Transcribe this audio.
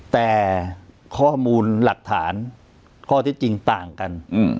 แต่ข้อมูลหลักฐานข้อที่จริงต่างกัน